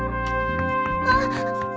あっ。